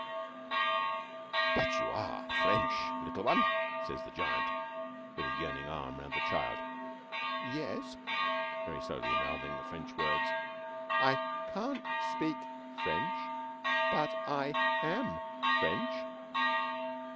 "But you are French, little one?" says the giant, with a yearning arm round the child. "Yes," very slowly mouthing the French words; "I can't speak French but I am French."